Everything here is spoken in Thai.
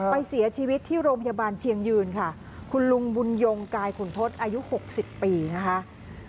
ไปเสียชีวิตที่โรงพยาบาลเชียงยืนค่ะคุณลุงบุญยงกายขุนทศอายุ๖๐ปีนะคะ